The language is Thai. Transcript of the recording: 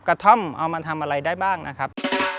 กระท่อมเอามาทำอะไรได้บ้างนะครับ